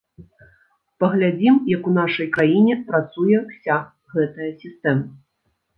Паглядзім, як у нашай краіне працуе ўся гэтая сістэма.